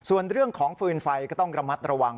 ส่วนเรื่องของฟืนไฟก็ต้องระมัดระวัง